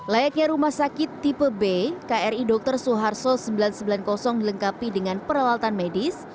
layaknya rumah sakit tipe b kri dr suharto sembilan ratus sembilan puluh dilengkapi dengan peralatan medis